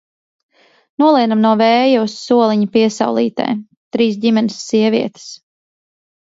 Nolienam no vēja uz soliņa piesaulītē, trīs ģimenes sievietes.